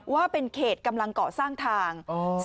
ว่าเป็นเขตกำลังเกาะสร้างทาง